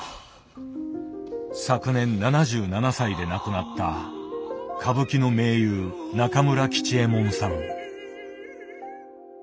昨年７７歳で亡くなった歌舞伎の名優中村吉右衛門さん。